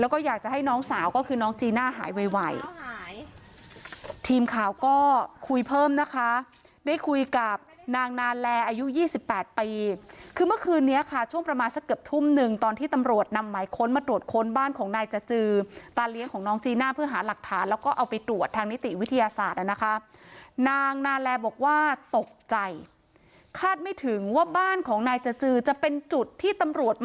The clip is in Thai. ก็คุยเพิ่มนะคะได้คุยกับนางนาแลอายุยี่สิบแปดปีคือเมื่อคืนนี้ค่ะช่วงประมาณสักเกือบทุ่มหนึ่งตอนที่ตำรวจนำหมายค้นมาตรวจค้นบ้านของนายจาจือตาเลี้ยงของน้องจีน่าเพื่อหาหลักฐานแล้วก็เอาไปตรวจทางนิติวิทยาศาสตร์แล้วนะคะนางนาแลบอกว่าตกใจคาดไม่ถึงว่าบ้านของนายจาจือจะเป็นจุดที่ต